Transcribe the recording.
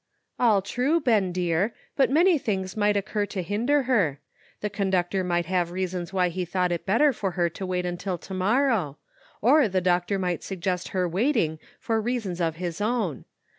*' All true, Ben dear, but many things might occur to hinder her. The conductor might have reasons why he thought it better for her to wait until to morrow, or the doctor might suggest her waiting, for reasons of his own.